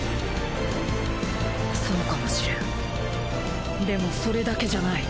そうかもしれんでもそれだけじゃない。